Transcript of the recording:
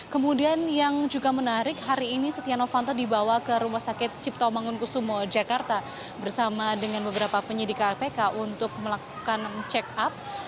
kemudian yang juga menarik hari ini setia novanto dibawa ke rumah sakit cipto mangunkusumo jakarta bersama dengan beberapa penyidik kpk untuk melakukan check up